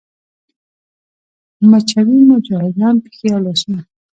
مچوي مو جاهلان پښې او لاسونه